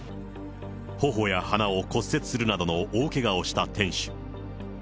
ほおや鼻を骨折するなどの大けがをした店主。